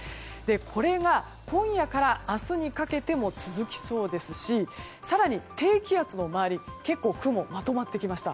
これが今夜から明日にかけても続きそうですし更に、低気圧の周り結構雲がまとまってきました。